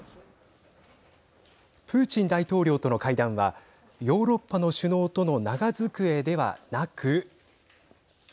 プーチン大統領との会談はヨーロッパの首脳との長机ではなく。